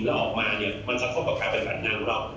แล้วออกมามันสาเหตุว่าการเป็นหลั่นนางหรอก